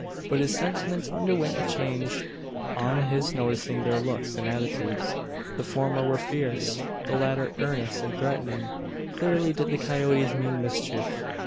But his sentiments underwent a change, on his noticing their looks and attitudes. The former were fierce; the latter earnest and threatening. Clearly did the coyotes mean mischief.